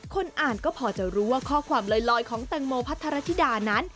คนอ่านก็พอจะรู้ว่าข้อความลอยของแตงโมพัทรธิดานั้น